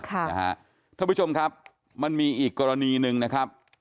ท่านผู้ชมครับมันมีอีกกรณีหนึ่งนะครับ